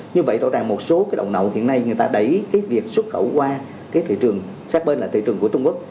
như vậy rõ ràng một số cái động nậu hiện nay người ta đẩy cái việc xuất khẩu qua cái thị trường xác bên là thị trường của trung quốc